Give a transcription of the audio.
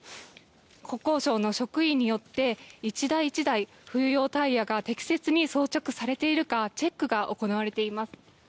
国交省の職員によって１台１台、冬用タイヤが適切に装着されているかチェックが行われています。